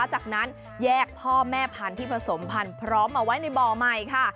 จากนั้นแยกพ่อแม่พันธุ์ที่ผสมพันธุ์พร้อมมาไว้ในบ่อใหม่ค่ะ